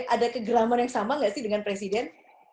ada kegeraman yang sama nggak sih dengan presiden